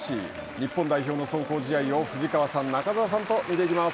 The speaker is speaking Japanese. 日本代表の壮行試合を藤川さん、中澤さんと見ていきます。